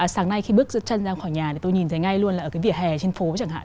sáng nay khi bước chân ra khỏi nhà thì tôi nhìn thấy ngay luôn là ở cái vỉa hè trên phố chẳng hạn